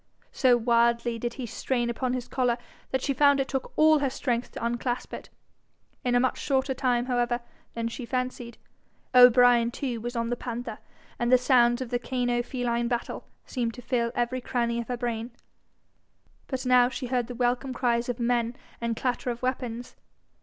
So wildly did he strain upon his collar, that she found it took all her strength to unclasp it. In a much shorter time, however, than she fancied, O'Brien too was on the panther, and the sounds of cano feline battle seemed to fill every cranny of her brain. But now she heard the welcome cries of men and clatter of weapons.